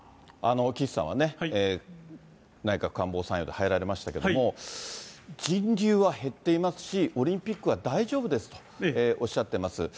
岸さんはね、内閣官房参与で入られましたけれども、人流は減っていますし、オリンピックは大丈夫ですとおっしゃってます。